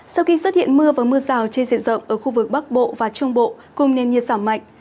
sau khi xuất hiện mưa và mưa rào trên diện rộng ở khu vực bắc bộ và trung bộ cùng nền nhiệt giảm mạnh